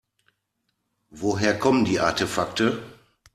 Woher kommen die Artefakte?